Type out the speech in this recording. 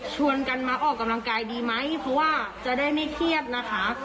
ชวนกันมาออกกำลังกายดีไหมเพราะว่าจะได้ไม่เครียดนะคะ